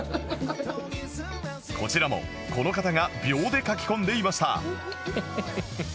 こちらもこの方が秒でかき込んでいました